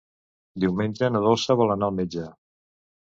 Diumenge na Dolça vol anar al metge.